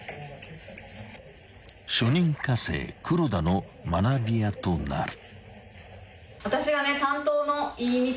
［初任科生黒田の学びやとなる］